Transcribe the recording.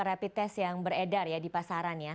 rapid test yang beredar di pasaran